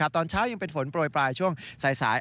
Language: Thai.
ตอนเช้ายังเป็นฝนโปรยปลายช่วงสาย